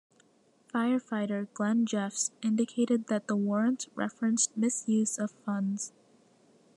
Firefighter Glen Jeffs indicated that the warrants referenced misuse of funds.